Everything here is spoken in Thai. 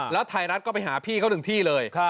แล้วไทยรัฐก็ไปหาพี่เขาหนึ่งที่เลย